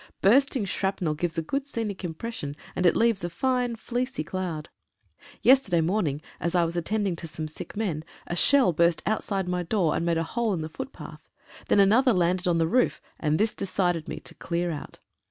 Bursting shrapnel gives a good scenic impression, and it leaves a fine fleecy cloud. Yesterday morning, as I was attending to some sick men, a shell burst outside my door and made a hole in the footpath, then another landed on the roof, and this decided me to clear out.